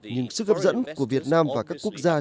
nhưng sức hấp dẫn của việt nam và các quốc gia